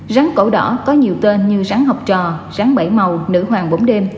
rắn cổ đỏ có nhiều tên như rắn học trò rắn bảy màu nữ hoàng bổng đêm